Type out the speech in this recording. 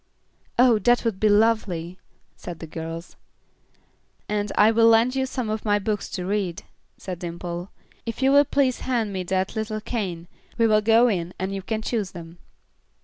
"Oh, that would be lovely," said the girls. "And I will lend you some of my books to read," said Dimple. "If you will please hand me that little cane, we will go in and you can choose them."